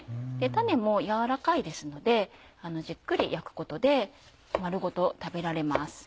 種も柔らかいですのでじっくり焼くことで丸ごと食べられます。